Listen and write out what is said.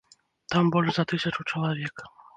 Там больш за тысячу чалавек.